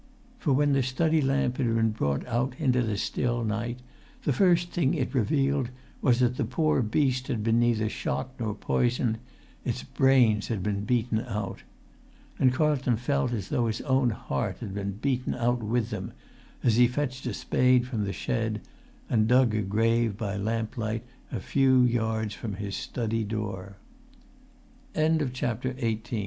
For when the study lamp had been brought out into the still night, the first thing it revealed was that the poor beast had been neither shot nor poisoned; its[Pg 208] brains had been beaten out. And Carlton felt as though his own heart had been beaten out with them, as he fetched a spade from the shed, and dug a grave by lamplight a few yards from his study door. [Pg 209] XIX TH